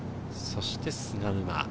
そして菅沼。